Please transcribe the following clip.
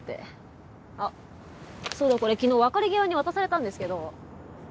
あっそうだこれ昨日別れ際に渡されたんですけど。